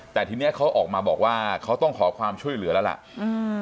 แต่ทีนี้เขาออกมาบอกว่าเขาต้องขอความช่วยเหลือแล้วล่ะอืม